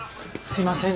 すいません